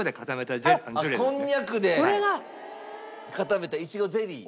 あっこんにゃくで固めたいちごゼリー。